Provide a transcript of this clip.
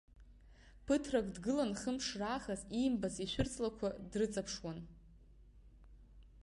Ԥыҭрак дгыланы, хымш раахыс иимбацыз ишәырҵлақәа дрыҵаԥшуан.